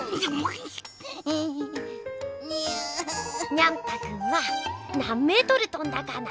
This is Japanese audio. ニャン太くんは何メートルとんだかな？